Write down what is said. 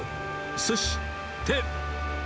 そして。